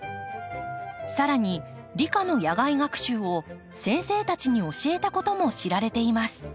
さらに理科の野外学習を先生たちに教えたことも知られています。